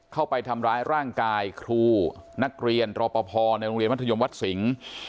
เข้าไปทำร้ายร่างกายครูนักเรียนรอปภในโรงเรียนมัธยมวัดสิงศ์